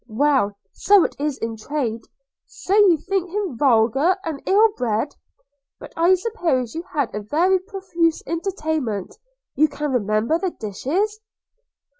Well, so it is in trade! – So you think him vulgar and ill bred? – But I suppose you had a very profuse entertainment: you can remember the dishes?'